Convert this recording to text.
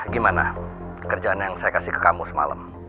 gimana kerjaan yang saya kasih ke kamu semalam